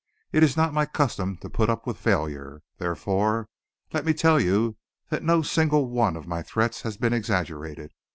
It is not my custom to put up with failure. Therefore, let me tell you that no single one of my threats has been exaggerated.